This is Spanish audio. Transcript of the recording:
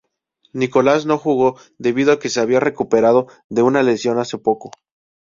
Nicolás no jugó debido a que se había recuperado de una lesión hace poco.